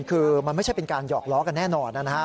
คือมันไม่ใช่เป็นการหยอกล้อกันแน่นอนนะครับ